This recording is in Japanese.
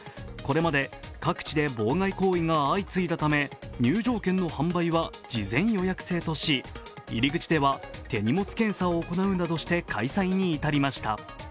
これまで各地で妨害行為が相次いだため入場券の販売は事前予約制とし入り口では手荷物検査を行うなどして開催に至りました。